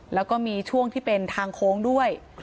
แล้วก็มีช่วงที่เป็นทางโค้งด้วย